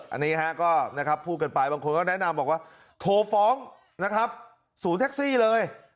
อันนี้ฮะก็นะครับพูดกันไปบางคนก็แนะนำบอกว่าโทรฟ้องนะครับศูนย์แท็กซี่เลย